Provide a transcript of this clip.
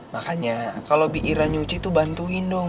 makanya kalau biira nyuci tuh bantuin dong